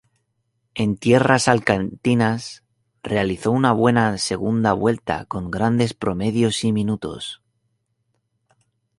En tierras alicantinas, realizó una buena segunda vuelta con grandes promedios y minutos.